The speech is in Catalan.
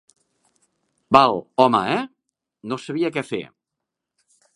Val, home, eh?, no sabia què fer.